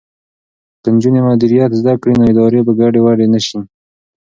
که نجونې مدیریت زده کړي نو ادارې به ګډې وډې نه وي.